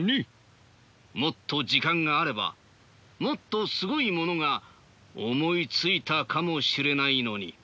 もっと時間があればもっとすごいものが思いついたかもしれないのに。